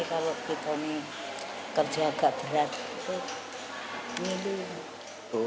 kalau kita kerja agak berat ngilu